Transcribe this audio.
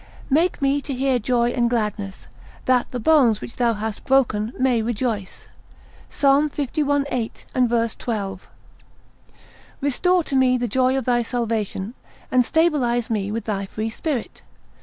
Make me to hear joy and gladness, that the bones which thou hast broken, may rejoice, Psalm li. 8. and verse 12. Restore to me the joy of thy salvation, and stablish me with thy free spirit.